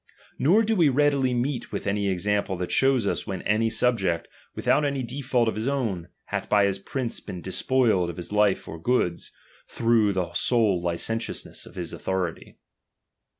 Nor do we readily meet with any example that shows us when any subject, without any default of his own, hath by his prince been despoiled of his life or goods, through the sole licentiousness of his authority.